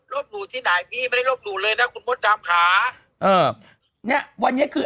หลู่ที่ไหนพี่ไม่ได้ลบหลู่เลยนะคุณมดดำค่ะเออเนี้ยวันนี้คือ